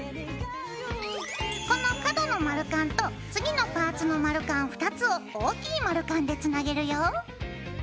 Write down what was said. この角の丸カンと次のパーツの丸カン２つを大きい丸カンでつなげるよ。